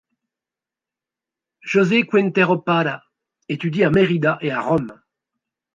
José Quintero Parra étudie à Mérida et à Rome.